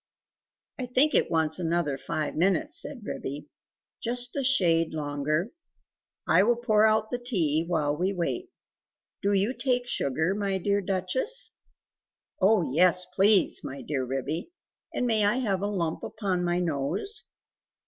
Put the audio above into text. "I think it wants another five minutes," said Ribby. "Just a shade longer; I will pour out the tea, while we wait. Do you take sugar, my dear Duchess?" "Oh yes, please! my dear Ribby; and may I have a lump upon my nose?"